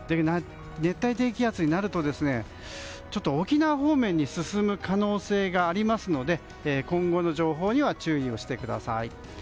熱帯低気圧になると沖縄方面に進む可能性がありますので今後の情報には注意をしてください。